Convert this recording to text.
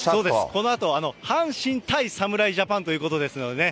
このあと、阪神対侍ジャパンということですのでね。